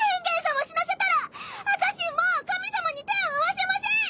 死なせたらあたしもう神様に手を合わせません！